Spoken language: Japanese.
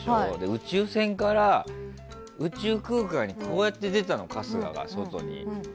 宇宙船から宇宙空間にこうやって出たの、春日が外に。